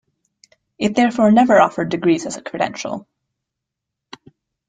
It therefore never offered degrees as a credential.